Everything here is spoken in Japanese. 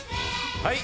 はい。